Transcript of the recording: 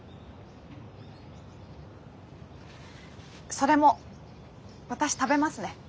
それも私食べますね。